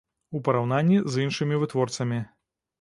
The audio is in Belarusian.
У параўнанні з іншымі вытворцамі.